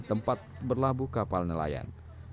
tempat berlabuh kapal nelayan